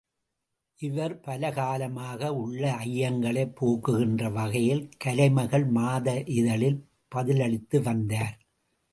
இவர், பல காலமாக உள்ள ஐயங்களைப் போக்குகின்ற வகையில், கலைமகள் மாத இதழில் பதிலளித்து வந்தார்.